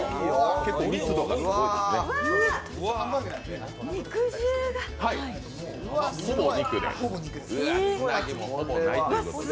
結構密度がすごいですね。